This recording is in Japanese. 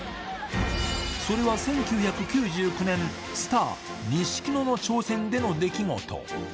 それは１９９９年、スター錦野の挑戦での出来事。